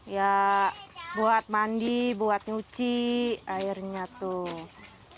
ya buat mandi buat nyuci airnya tuh